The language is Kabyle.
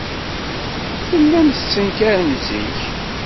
Tellam tettenkarem zik.